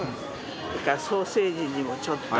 それからソーセージにもちょっと。